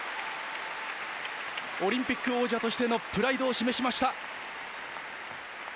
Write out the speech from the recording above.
オリンピック王者としてのプライドを示しました。